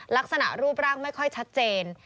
ลักษณะรูปร่างไม่ค่อยชัดเจน